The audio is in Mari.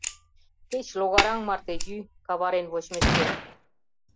Кеч логараҥ марте йӱ — каварен вочмешкет...